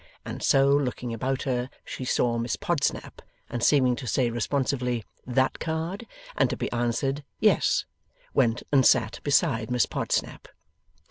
And so, looking about her, she saw Miss Podsnap, and seeming to say responsively, 'That card?' and to be answered, 'Yes,' went and sat beside Miss Podsnap.